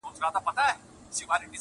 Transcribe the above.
انسان وجدان سره مخ دی تل-